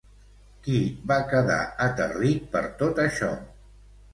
Qui va quedar aterrit per tot això?